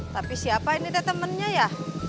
tapi siapa ini deh temennya ya